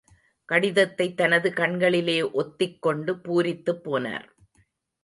கடிதத்தைத் தனது கண்களிலே ஒத்திக் கொண்டு பூரித்துப் போனார்.